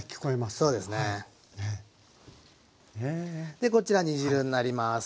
でこちら煮汁になります。